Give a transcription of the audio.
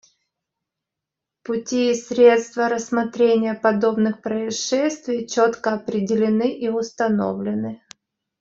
Пути и средства рассмотрения подобных происшествий четко определены и установлены.